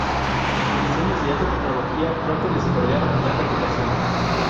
Sus diseños de alta tecnología pronto les otorgaron gran reputación.